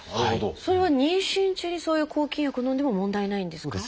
それは妊娠中にそういう抗菌薬をのんでも問題ないんですか？